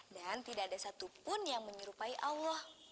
dan tidak ada satupun yang menyerupai allah